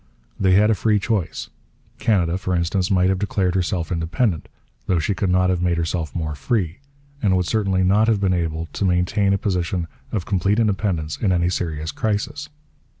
They had a free choice. Canada, for instance, might have declared herself independent, though she could not have made herself more free, and would certainly not have been able to maintain a position of complete independence in any serious crisis.